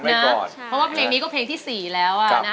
เพราะว่าเพลงนี้ก็เพลงที่๔แล้วนะ